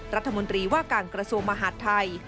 รัฐมนตรีว่าการกระทรวงมหาดไทย